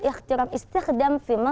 bagus bagus jawabannya